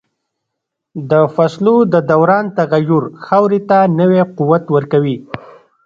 د فصلو د دوران تغییر خاورې ته نوی قوت ورکوي.